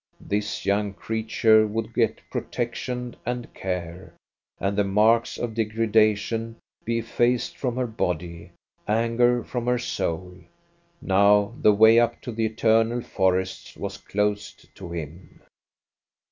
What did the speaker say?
This young creature would get protection and care, and the marks of degradation be effaced from her body, anger from her soul. Now the way up to the eternal forests was closed to him.